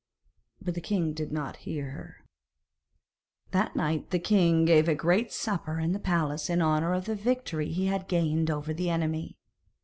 But the king did not hear her. That night the king gave a great supper in the palace in honour of the victory he had gained over the enemy.